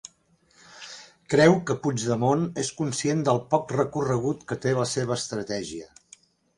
Creu que Puigdemont és conscient del poc recorregut que té la seva estratègia.